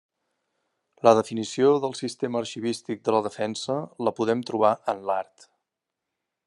La definició del sistema arxivístic de la Defensa la podem trobar en l'art.